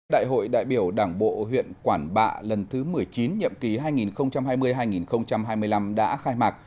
đại hội đại biểu đảng bộ huyện quản bạ lần thứ một mươi chín nhiệm ký hai nghìn hai mươi hai nghìn hai mươi năm đã khai mạc